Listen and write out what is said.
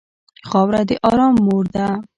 خاوره د ارام مور ده.